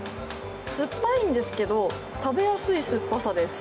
酸っぱいんですけど食べやすい酸っぱさです。